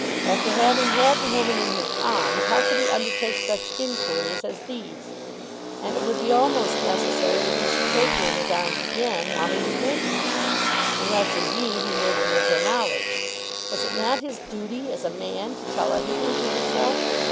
After having had the woman in his arms how could he undertake such inquiries as these? And it would be almost necessary that he should take her in his arms again while he was making them, unless indeed he made them with her knowledge. Was it not his duty, as a man, to tell everything to herself?